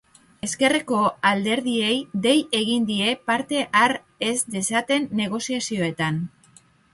Ezkerreko alderdiei dei egin die parte har ez dezaten negoziazioetan.